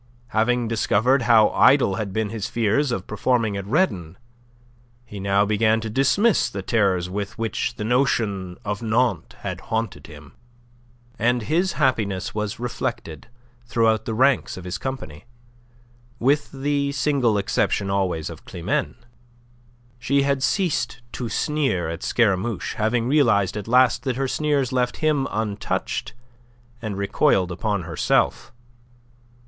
Having discovered how idle had been his fears of performing at Redon, he now began to dismiss the terrors with which the notion of Nantes had haunted him. And his happiness was reflected throughout the ranks of his company, with the single exception always of Climene. She had ceased to sneer at Scaramouche, having realized at last that her sneers left him untouched and recoiled upon herself.